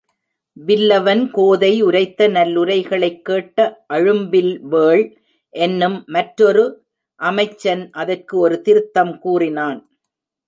வில்லவன் கோதை உரைத்தநல்லுரைகளைக் கேட்ட அழும்பில்வேள் என்னும் மற்றொரு அமைச்சன் அதற்கு ஒரு திருத்தம் கூறினான்.